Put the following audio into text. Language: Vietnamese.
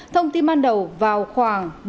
thông tin ban đầu vào khoảng